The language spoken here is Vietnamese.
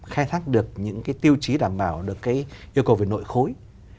khai thác được những cái tiêu chí đảm bảo được cái yêu cầu về nội khối